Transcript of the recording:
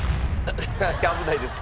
危ないです。